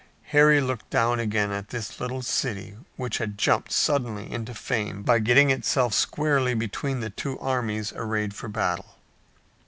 Harry looked down again at this little city which had jumped suddenly into fame by getting itself squarely between the two armies arrayed for battle.